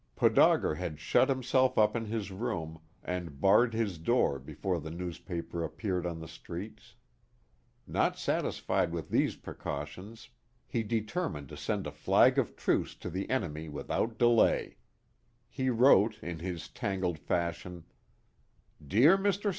Podauger had shut himself up in his room, and barred his door before the newspaper appeared on the streets. Not satisfied with these precautions, he determined to send a flag of truce to the enemy without delay. He wrote in his tangled fashion: "DEAR MR.